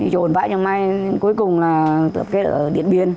dồn mãi cho mai cuối cùng là tập kết ở điện biên